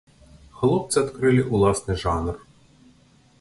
Хлопцы адкрылі ўласны жанр.